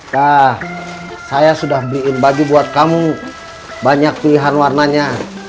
dah saya sudah bikin baju buat kamu banyak pilihan warnanya